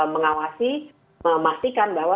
mengawasi memastikan bahwa